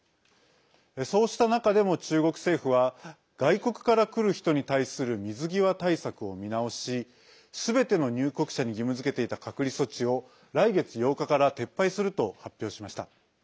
そうした中でも中国政府は外国から来る人に対する水際対策を見直しすべての入国者に義務づけていた隔離措置を来月８日から撤廃すると発表しました。